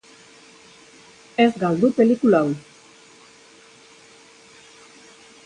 Ez galdu pelikula hau!